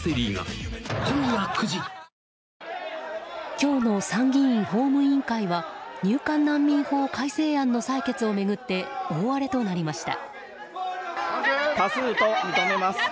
今日の参議院法務委員会は入管難民法改正案の採決を巡って大荒れとなりました。